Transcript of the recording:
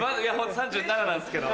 ３７なんですけど。